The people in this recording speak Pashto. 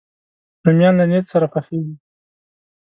رومیان له نیت سره پخېږي